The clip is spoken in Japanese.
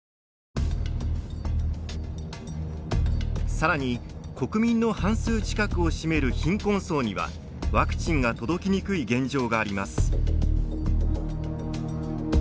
さらに、国民の半数近くを占める貧困層にはワクチンが届きにくい現状があります。